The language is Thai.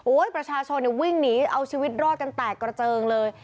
ประชาชนวิ่งหนีเอาชีวิตรอดกันแตกกระเจิงเลย